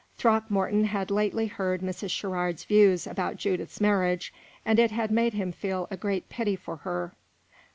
Throckmorton had lately heard Mrs. Sherrard's views about Judith's marriage, and it had made him feel a very great pity for her.